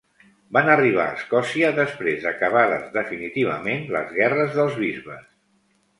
Van arribar a Escòcia després d'acabades definitivament les guerres dels bisbes.